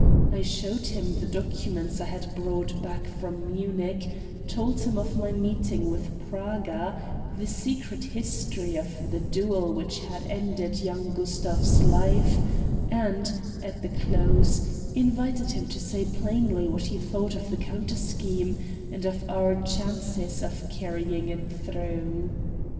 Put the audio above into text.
I showed him the documents I had brought back from Munich; told him of my meeting with Praga; the secret history of the duel which had ended young Gustav's life; and, at the close, invited him to say plainly what he thought of the counter scheme, and of our chances of carrying it through.